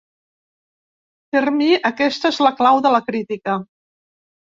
Per mi, aquesta és la clau de la crítica.